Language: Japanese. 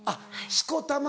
しこたま。